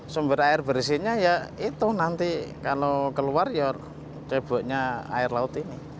sumber air bersihnya ya itu nanti kalau keluar ya ceboknya air laut ini